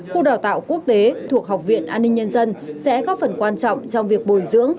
khu đào tạo quốc tế thuộc học viện an ninh nhân dân sẽ có phần quan trọng trong việc bồi dưỡng